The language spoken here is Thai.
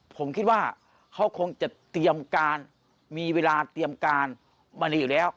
ผมคิดว่าเขาคงจะเตรียมการมีเวลาเตรียมการมาดีอยู่แล้ว